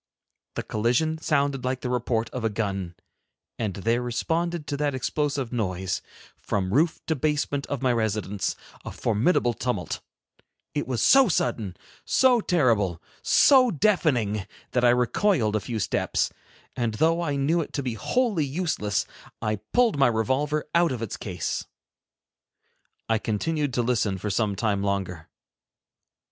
The collision sounded like the report of a gun, and there responded to that explosive noise, from roof to basement of my residence, a formidable tumult. It was so sudden, so terrible, so deafening, that I recoiled a few steps, and though I knew it to be wholly useless, I pulled my revolver out of its case. I continued to listen for some time longer.